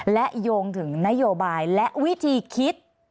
และโยงถึงนโยบายและวิธีคิด